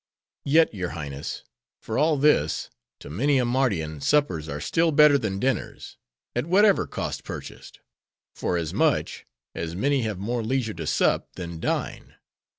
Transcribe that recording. Yet, your Highness, for all this, to many a Mardian, suppers are still better than dinners, at whatever cost purchased. Forasmuch, as many have more leisure to sup, than dine.